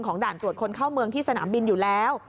ด่านตรวจคนเข้าเมืองที่สนามบินอยู่แล้ว